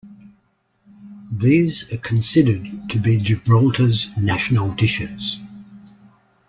These are considered to be Gibraltar's national dishes.